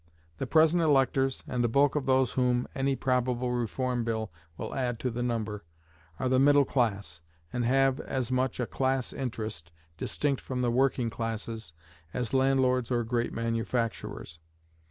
The present electors, and the bulk of those whom any probable Reform Bill would add to the number, are the middle class, and have as much a class interest, distinct from the working classes, as landlords or great manufacturers.